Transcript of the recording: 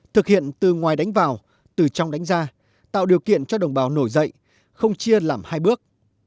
thực hiện từ ngoài đánh vào từ trong đánh ra tạo điều kiện cho đồng bào nổi dậy không chia làm hai bước